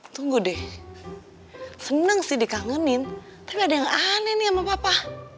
tunggu deh seneng sih dikangenin tapi ada yang aneh nih sama papa